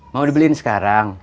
mau dibeliin sekarang